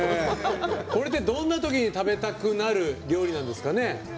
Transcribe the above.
これって、どんなときに食べたくなる鍋なんですかね。